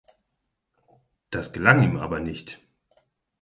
Das gelang ihm aber nicht.